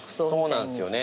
そうなんすよね。